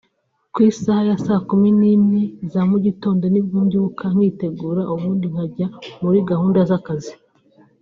Ku isaha ya saa kumi n’imwe za mugitondo nibwo mbyuka nkitegura ubundi nkajya muri gahunda z’akazi